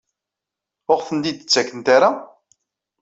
Ur aɣ-ten-id-ttakent ara?